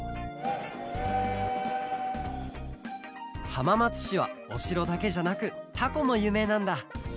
はままつしはおしろだけじゃなくたこもゆうめいなんだ。